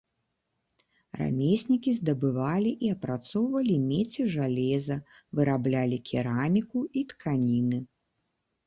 Рамеснікі здабывалі і апрацоўвалі медзь і жалеза, выраблялі кераміку і тканіны.